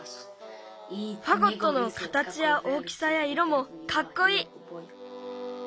ファゴットのかたちや大きさやいろもかっこいい。